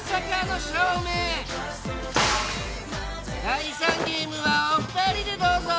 第３ゲームはお二人でどうぞ！